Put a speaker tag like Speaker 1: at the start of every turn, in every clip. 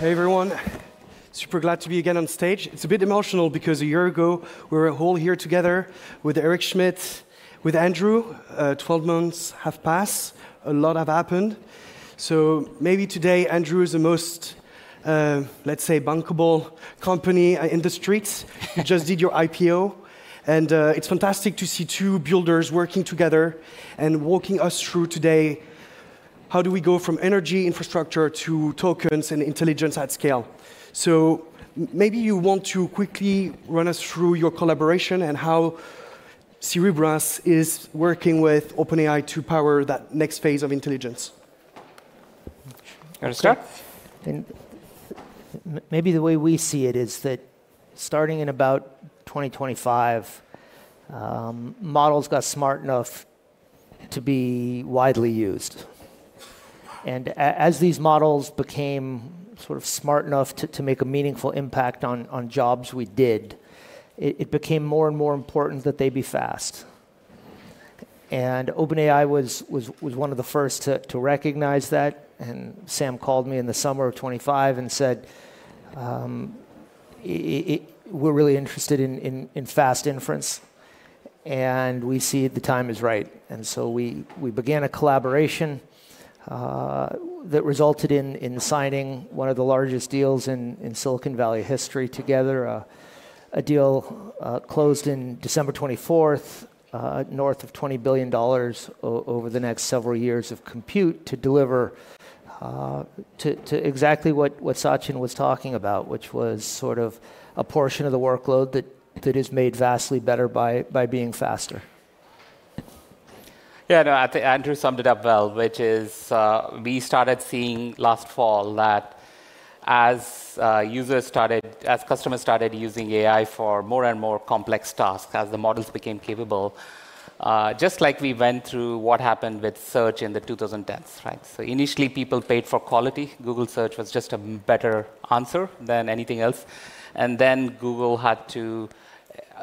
Speaker 1: Hey, everyone. Super glad to be again on stage. It's a bit emotional because a year ago, we were all here together with Eric Schmidt, with Andrew. 12 months have passed. A lot has happened. Maybe today Andrew is the most, let's say, bankable company in the streets. You just did your IPO, and it's fantastic to see two builders working together and walking us through today, how do we go from energy infrastructure to tokens and intelligence at scale? Maybe you want to quickly run us through your collaboration and how Cerebras is working with OpenAI to power that next phase of intelligence.
Speaker 2: You want to start?
Speaker 3: Sure. I think maybe the way we see it is that starting in about 2025, models got smart enough to be widely used. As these models became sort of smart enough to make a meaningful impact on jobs we did, it became more and more important that they be fast. OpenAI was one of the first to recognize that, and Sam called me in the summer of 2025 and said, "We're really interested in fast inference, and we see the time is right." We began a collaboration that resulted in signing one of the largest deals in Silicon Valley history together. A deal closed in December 24th, north of $20 billion over the next several years of compute to deliver to exactly what Sachin was talking about, which was sort of a portion of the workload that is made vastly better by being faster.
Speaker 2: Yeah, no, I think Andrew summed it up well, which is we started seeing last fall that as customers started using AI for more and more complex tasks, as the models became capable, just like we went through what happened with search in the 2010s, right? Initially, people paid for quality. Google Search was just a better answer than anything else. Then Google had to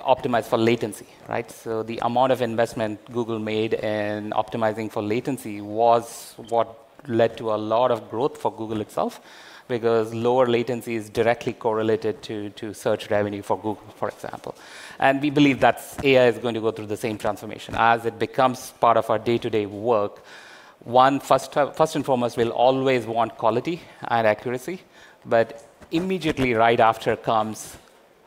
Speaker 2: optimize for latency, right? The amount of investment Google made in optimizing for latency was what led to a lot of growth for Google itself, because lower latency is directly correlated to search revenue for Google, for example. We believe that AI is going to go through the same transformation. As it becomes part of our day-to-day work, one, first and foremost, we'll always want quality and accuracy. Immediately right after comes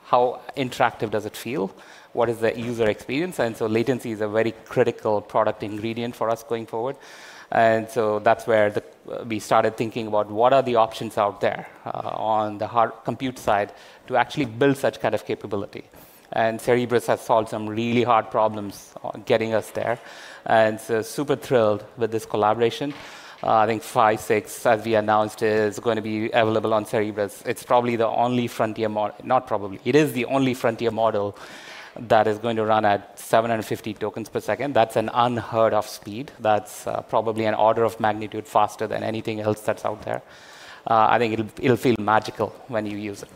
Speaker 2: how interactive does it feel? Latency is a very critical product ingredient for us going forward. That's where we started thinking about what are the options out there on the compute side to actually build such kind of capability. Cerebras has solved some really hard problems getting us there. Super thrilled with this collaboration. I think Phi-6, as we announced, is going to be available on Cerebras. It is the only frontier model that is going to run at 750 tokens per second. That's an unheard-of speed. That's probably an order of magnitude faster than anything else that's out there. I think it'll feel magical when you use it.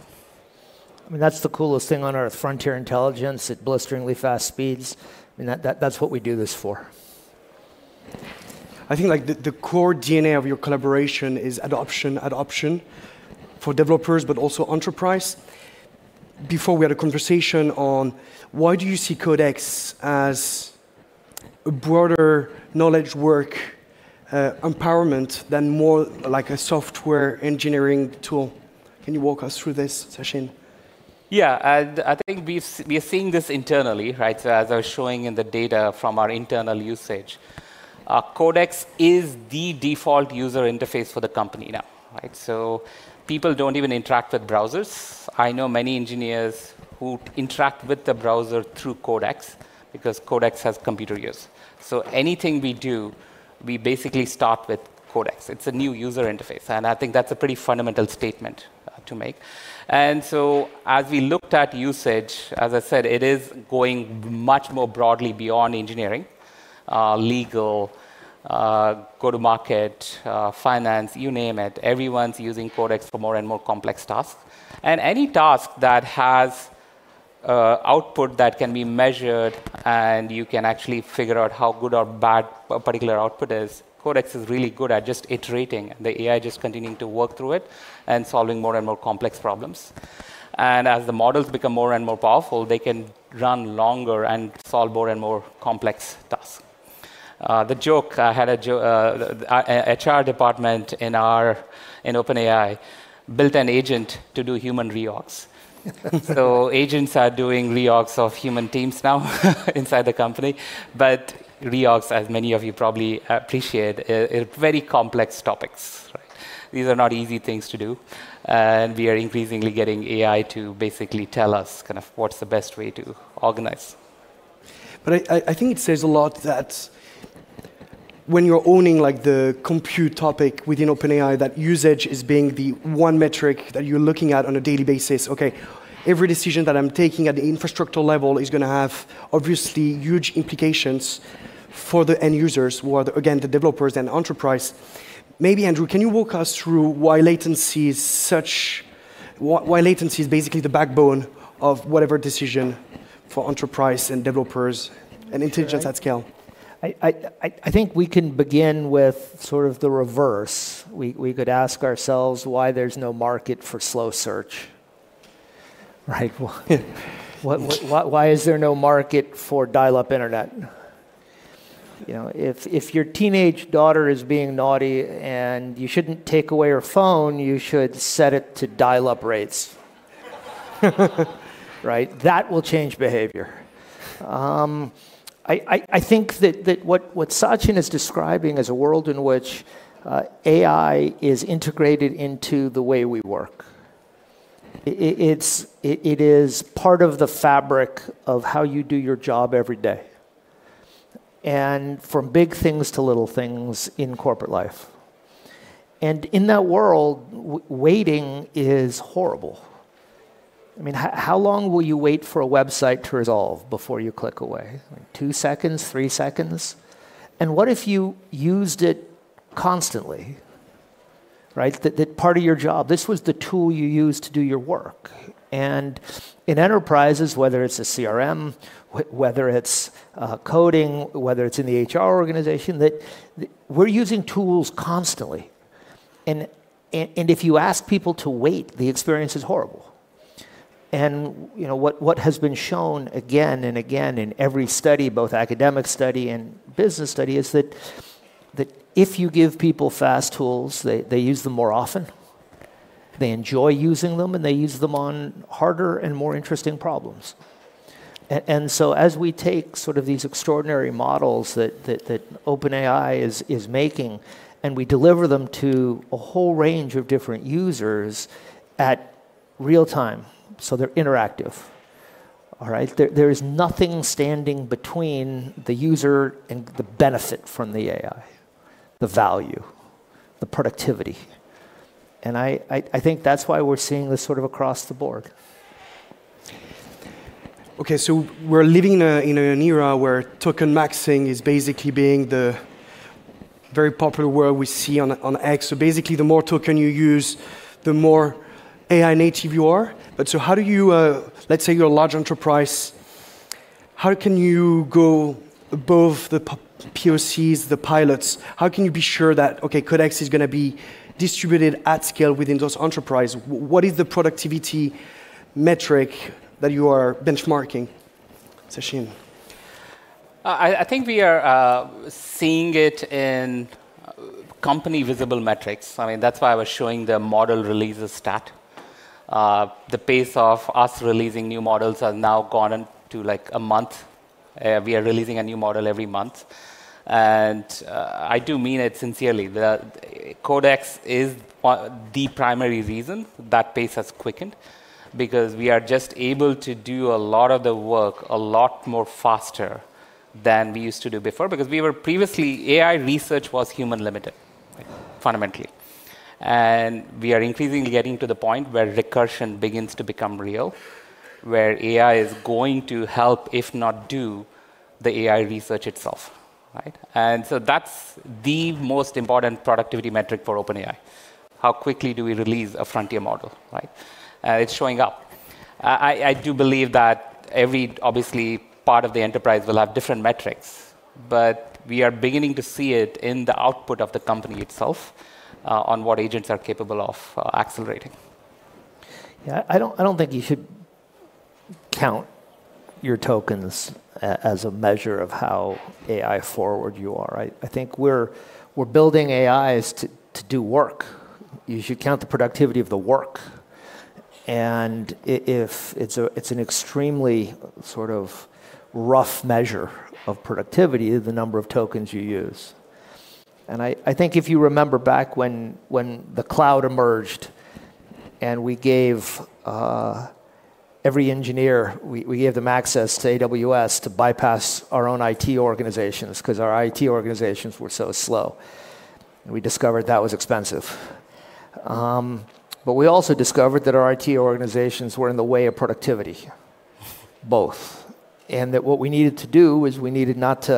Speaker 3: I mean, that's the coolest thing on earth, frontier intelligence at blisteringly fast speeds. I mean, that's what we do this for.
Speaker 1: I think the core DNA of your collaboration is adoption. Adoption for developers, but also enterprise. Before we had a conversation on why do you see Codex as a broader knowledge work empowerment than more like a software engineering tool. Can you walk us through this, Sachin?
Speaker 2: Yeah. I think we are seeing this internally, right? As I was showing in the data from our internal usage, Codex is the default user interface for the company now, right? People don't even interact with browsers. I know many engineers who interact with the browser through Codex because Codex has computer use. Anything we do, we basically start with Codex. It's a new user interface, and I think that's a pretty fundamental statement to make. As we looked at usage, as I said, it is going much more broadly beyond engineering. Legal, go to market, finance, you name it. Everyone's using Codex for more and more complex tasks. Any task that has output that can be measured and you can actually figure out how good or bad a particular output is, Codex is really good at just iterating, the AI just continuing to work through it and solving more and more complex problems. As the models become more and more powerful, they can run longer and solve more and more complex tasks. The joke, HR department in OpenAI built an agent to do human reorgs. Agents are doing reorgs of human teams now inside the company. Reorgs, as many of you probably appreciate, are very complex topics. These are not easy things to do, and we are increasingly getting AI to basically tell us what's the best way to organize.
Speaker 1: I think it says a lot that when you're owning the compute topic within OpenAI, that usage is being the one metric that you're looking at on a daily basis. Okay, every decision that I'm taking at the infrastructural level is going to have obviously huge implications for the end users who are, again, the developers and enterprise. Maybe, Andrew, can you walk us through why latency is basically the backbone of whatever decision for enterprise and developers and intelligence at scale.
Speaker 3: I think we can begin with sort of the reverse. We could ask ourselves why there's no market for slow search, right? Why is there no market for dial-up internet? If your teenage daughter is being naughty and you shouldn't take away her phone, you should set it to dial-up rates. Right? That will change behavior. I think that what Sachin is describing is a world in which AI is integrated into the way we work. It is part of the fabric of how you do your job every day, and from big things to little things in corporate life. In that world, waiting is horrible. How long will you wait for a website to resolve before you click away? Two seconds? Three seconds? What if you used it constantly, right? That part of your job, this was the tool you used to do your work. In enterprises, whether it's a CRM, whether it's coding, whether it's in the HR organization, we're using tools constantly. If you ask people to wait, the experience is horrible. What has been shown again and again in every study, both academic study and business study, is that if you give people fast tools, they use them more often, they enjoy using them, and they use them on harder and more interesting problems. As we take these extraordinary models that OpenAI is making, and we deliver them to a whole range of different users at real time, so they're interactive, all right? There is nothing standing between the user and the benefit from the AI, the value, the productivity. I think that's why we're seeing this sort of across the board.
Speaker 1: Okay, we're living in an era where token maxing is basically being the very popular word we see on X. Basically, the more token you use, the more AI native you are. Let's say you're a large enterprise, how can you go above the POCs, the pilots? How can you be sure that, okay, Codex is going to be distributed at scale within those enterprise? What is the productivity metric that you are benchmarking? Sachin?
Speaker 2: I think we are seeing it in company visible metrics. That's why I was showing the model releases stat. The pace of us releasing new models has now gone into a month. We are releasing a new model every month. I do mean it sincerely, that Codex is the primary reason that pace has quickened, because we are just able to do a lot of the work a lot more faster than we used to do before, because previously, AI research was human limited, fundamentally. We are increasingly getting to the point where recursion begins to become real, where AI is going to help, if not do, the AI research itself, right? That's the most important productivity metric for OpenAI. How quickly do we release a frontier model, right? It's showing up. I do believe that every, obviously, part of the enterprise will have different metrics, but we are beginning to see it in the output of the company itself, on what agents are capable of accelerating.
Speaker 3: Yeah, I don't think you should count your tokens as a measure of how AI forward you are. I think we're building AIs to do work. You should count the productivity of the work. It's an extremely sort of rough measure of productivity, the number of tokens you use. I think if you remember back when the cloud emerged, we gave every engineer, we gave them access to AWS to bypass our own IT organizations because our IT organizations were so slow, we discovered that was expensive. We also discovered that our IT organizations were in the way of productivity, both, that what we needed to do is we needed not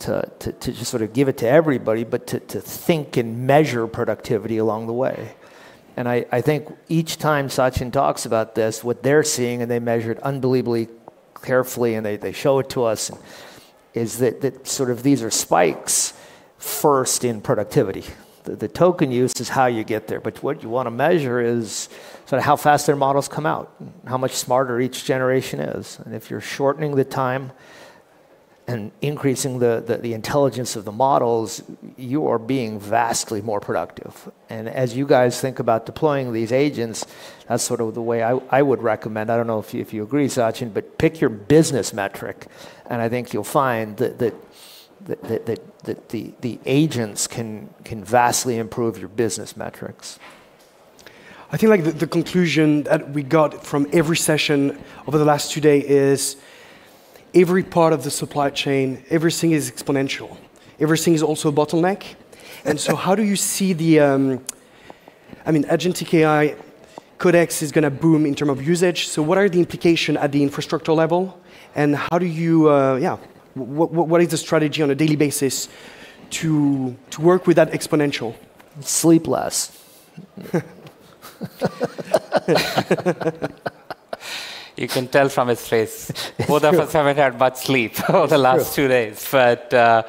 Speaker 3: to just sort of give it to everybody, but to think and measure productivity along the way. I think each time Sachin talks about this, what they're seeing, and they measure it unbelievably carefully, and they show it to us, is that these are spikes first in productivity. The token use is how you get there. What you want to measure is how fast their models come out, how much smarter each generation is. If you're shortening the time and increasing the intelligence of the models, you are being vastly more productive. As you guys think about deploying these agents, that's sort of the way I would recommend. I don't know if you agree, Sachin, but pick your business metric, and I think you'll find that the agents can vastly improve your business metrics.
Speaker 1: I think the conclusion that we got from every session over the last two day is every part of the supply chain, everything is exponential. Everything is also a bottleneck. How do you see the Agentic AI, Codex is going to boom in term of usage. What are the implication at the infrastructure level and what is the strategy on a daily basis To work with that exponential.
Speaker 3: Sleep less.
Speaker 2: You can tell from his face.
Speaker 3: It's true.
Speaker 2: both of us haven't had much sleep over the last two days.
Speaker 3: It's true.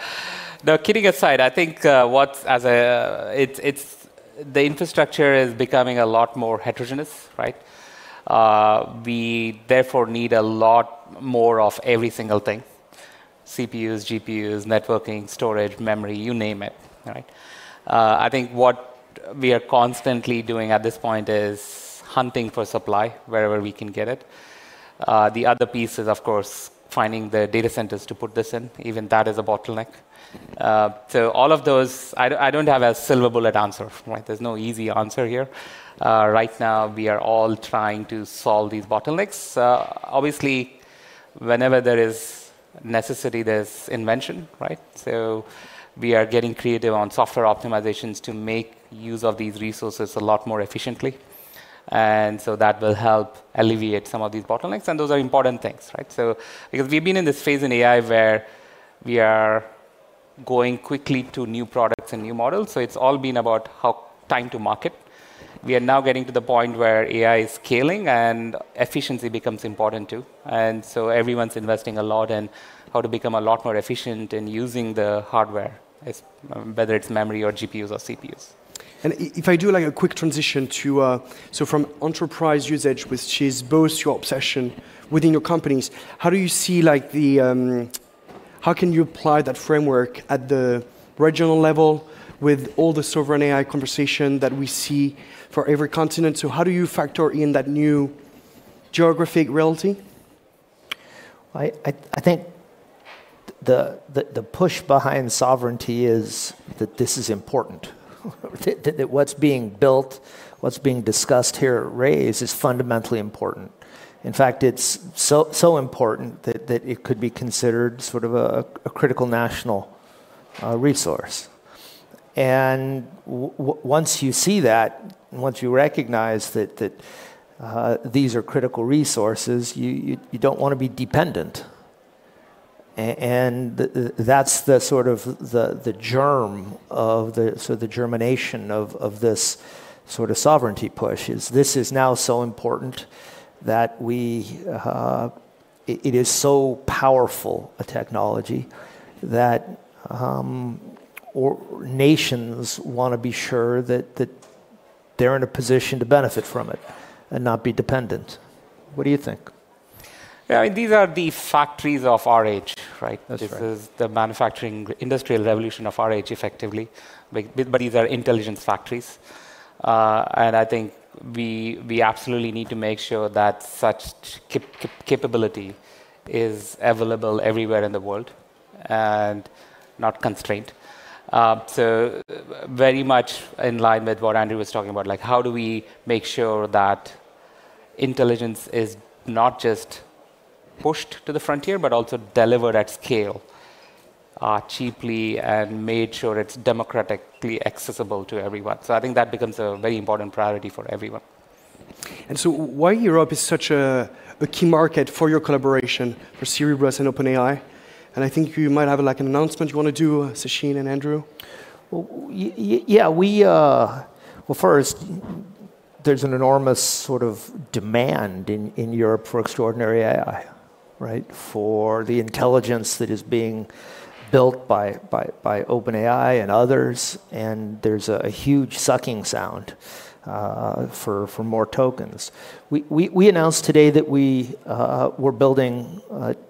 Speaker 2: No, kidding aside, I think the infrastructure is becoming a lot more heterogeneous. We therefore need a lot more of every single thing, CPUs, GPUs, networking, storage, memory, you name it. I think what we are constantly doing at this point is hunting for supply wherever we can get it. The other piece is, of course, finding the data centers to put this in. Even that is a bottleneck. All of those, I don't have a silver bullet answer. There's no easy answer here. Right now, we are all trying to solve these bottlenecks. Obviously, whenever there is necessity, there's invention. We are getting creative on software optimizations to make use of these resources a lot more efficiently. That will help alleviate some of these bottlenecks, and those are important things. We've been in this phase in AI where we are going quickly to new products and new models, it's all been about time to market. We are now getting to the point where AI is scaling, efficiency becomes important, too. Everyone's investing a lot in how to become a lot more efficient in using the hardware, whether it's memory or GPUs or CPUs.
Speaker 1: If I do a quick transition, from enterprise usage, which is both your obsession within your companies, how can you apply that framework at the regional level with all the sovereign AI conversation that we see for every continent? How do you factor in that new geographic reality?
Speaker 3: I think the push behind sovereignty is that this is important. That what's being built, what's being discussed here at RAISE is fundamentally important. In fact, it's so important that it could be considered a critical national resource. Once you see that, once you recognize that these are critical resources, you don't want to be dependent. That's the germination of this sovereignty push, is this is now so important, it is so powerful a technology, that nations want to be sure that they're in a position to benefit from it and not be dependent. What do you think?
Speaker 2: Yeah, these are the factories of our age, right?
Speaker 3: That's right.
Speaker 2: This is the manufacturing industrial revolution of our age, effectively. These are intelligence factories. I think we absolutely need to make sure that such capability is available everywhere in the world and not constrained. Very much in line with what Andrew was talking about, how do we make sure that intelligence is not just pushed to the frontier, but also delivered at scale cheaply and made sure it's democratically accessible to everyone. I think that becomes a very important priority for everyone.
Speaker 1: Why Europe is such a key market for your collaboration for Cerebras and OpenAI, and I think you might have an announcement you want to do, Sachin and Andrew?
Speaker 3: Well, first, there's an enormous demand in Europe for extraordinary AI. For the intelligence that is being built by OpenAI and others, and there's a huge sucking sound for more tokens. We announced today that we're building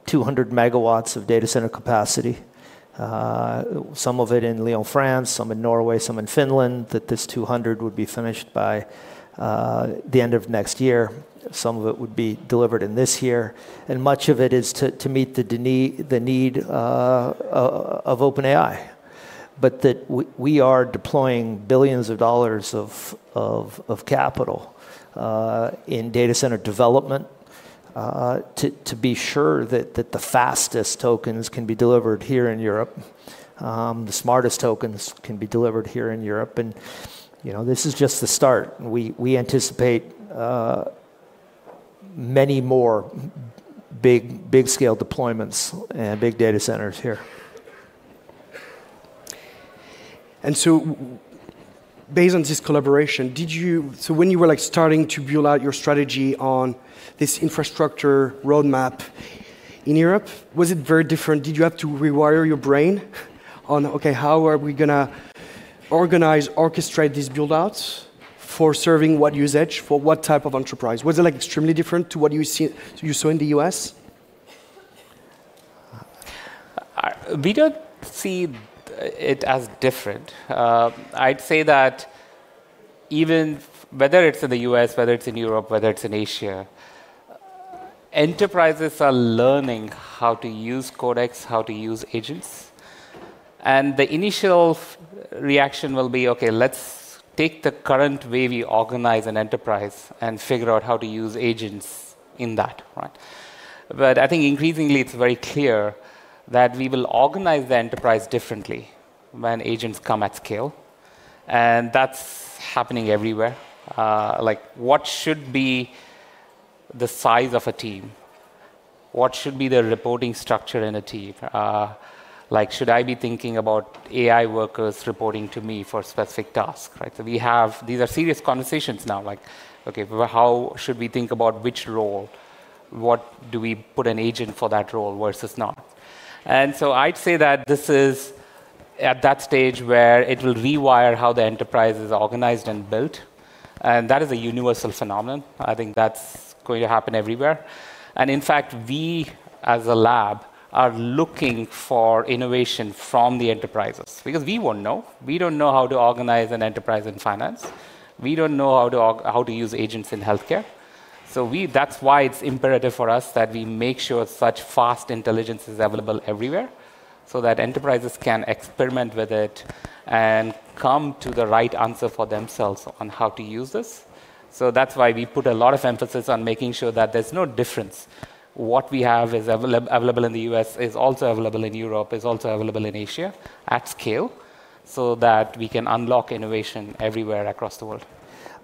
Speaker 3: 200 MW of data center capacity, some of it in Lyon, France, some in Norway, some in Finland, that this 200 would be finished by the end of next year. Some of it would be delivered in this year. Much of it is to meet the need of OpenAI. That we are deploying billions of dollars of capital in data center development to be sure that the fastest tokens can be delivered here in Europe, the smartest tokens can be delivered here in Europe, and this is just the start. We anticipate many more big scale deployments and big data centers here.
Speaker 1: Based on this collaboration, when you were starting to build out your strategy on this infrastructure roadmap in Europe, was it very different? Did you have to rewire your brain on how are we going to organize, orchestrate these build-outs for serving what usage for what type of enterprise? Was it extremely different to what you saw in the U.S.?
Speaker 2: We don't see it as different. I'd say that even whether it's in the U.S., whether it's in Europe, whether it's in Asia, enterprises are learning how to use Codex, how to use agents. The initial reaction will be, let's take the current way we organize an enterprise and figure out how to use agents in that. I think increasingly it's very clear that we will organize the enterprise differently when agents come at scale, and that's happening everywhere. What should be the size of a team? What should be the reporting structure in a team? Should I be thinking about AI workers reporting to me for specific tasks? These are serious conversations now. How should we think about which role? What do we put an agent for that role versus not? I'd say that this is at that stage where it'll rewire how the enterprise is organized and built, and that is a universal phenomenon. I think that's going to happen everywhere. In fact, we, as a lab, are looking for innovation from the enterprises because we won't know. We don't know how to organize an enterprise in finance. We don't know how to use agents in healthcare. That's why it's imperative for us that we make sure such fast intelligence is available everywhere, that enterprises can experiment with it and come to the right answer for themselves on how to use this. That's why we put a lot of emphasis on making sure that there's no difference. What we have available in the U.S. is also available in Europe, is also available in Asia at scale, that we can unlock innovation everywhere across the world.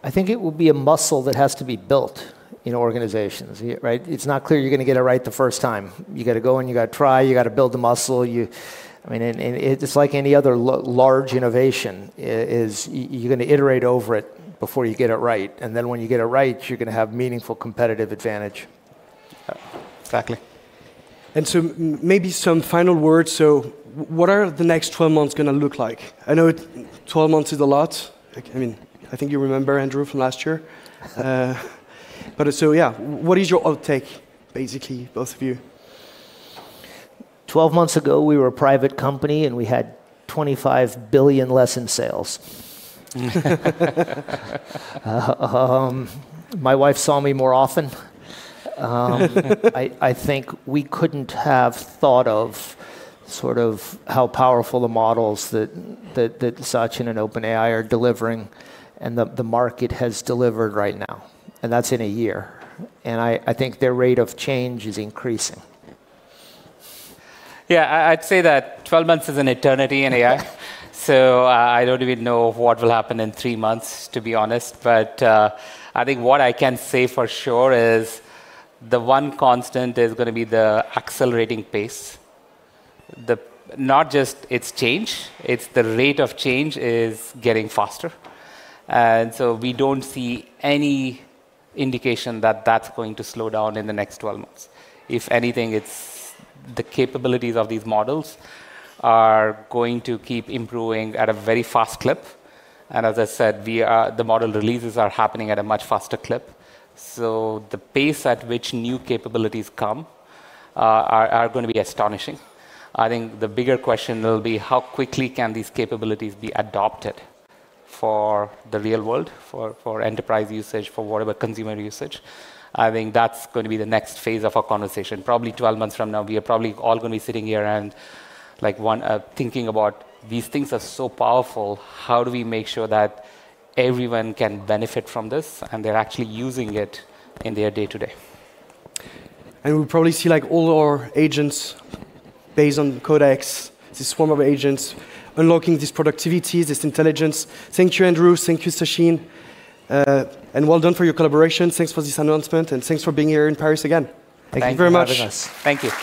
Speaker 3: I think it will be a muscle that has to be built in organizations, right? It is not clear you are going to get it right the first time. You got to go and you got to try, you got to build the muscle. It is like any other large innovation is you are going to iterate over it before you get it right. Then when you get it right, you are going to have meaningful competitive advantage.
Speaker 2: Exactly.
Speaker 1: Maybe some final words. What are the next 12 months going to look like? I know 12 months is a lot. I think you remember, Andrew, from last year. So yeah, what is your outtake, basically, both of you?
Speaker 3: 12 months ago, we were a private company, and we had $25 billion less in sales. My wife saw me more often. I think we couldn't have thought of how powerful the models that Sachin and OpenAI are delivering and the market has delivered right now, and that is in a year. I think their rate of change is increasing.
Speaker 2: Yeah, I'd say that 12 months is an eternity in AI. I don't even know what will happen in three months, to be honest. I think what I can say for sure is the one constant is going to be the accelerating pace. Not just it is change, it is the rate of change is getting faster. We don't see any indication that that is going to slow down in the next 12 months. If anything, it is the capabilities of these models are going to keep improving at a very fast clip. As I said, the model releases are happening at a much faster clip. The pace at which new capabilities come are going to be astonishing. I think the bigger question will be how quickly can these capabilities be adopted for the real world, for enterprise usage, for whatever consumer usage? I think that's going to be the next phase of our conversation. Probably 12 months from now, we are probably all going to be sitting here and thinking about these things are so powerful, how do we make sure that everyone can benefit from this, and they're actually using it in their day-to-day.
Speaker 1: We'll probably see all our agents based on Codex, this form of agents, unlocking this productivity, this intelligence. Thank you, Andrew. Thank you, Sachin, and well done for your collaboration. Thanks for this announcement, and thanks for being here in Paris again.
Speaker 2: Thank you for having us.
Speaker 3: Thank you very much. Thank you.